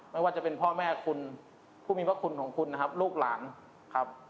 ไม่ว่าจะเป็นพ่อแม่คุณผู้มีพระคุณของคุณนะครับลูกหลานครับ